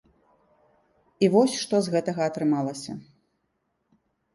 І вось што з гэтага атрымалася.